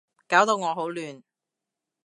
搞到我好亂